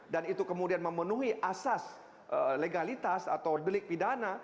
dan itu kemudian memenuhi asas legalitas atau delik pidana